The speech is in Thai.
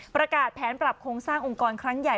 ประกาศแผนปรับโครงสร้างองค์กรครั้งใหญ่